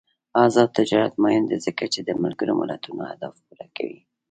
آزاد تجارت مهم دی ځکه چې د ملګرو ملتونو اهداف پوره کوي.